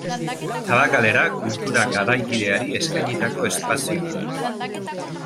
Tabakalera kultura garaikideari eskainitako espazioa da.